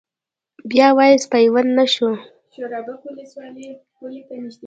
بيا واپس پيوند نۀ شوه ۔